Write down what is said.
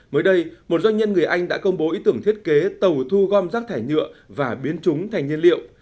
mới đây một doanh nhân người anh đã công bố ý tưởng thiết kế tàu thu gom rác thải nhựa và biến chúng thành nhiên liệu